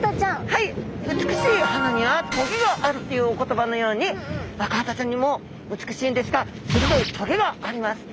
はい「美しい花には棘がある」というお言葉のようにアカハタちゃんにも美しいんですが鋭い棘があります。